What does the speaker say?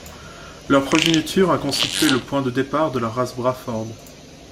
Leur progéniture a constitué le point de départ de la race braford.